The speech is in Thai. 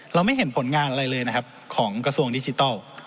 ไม่เห็นผลงานอะไรเลยนะครับของกระทรวงดิจิทัล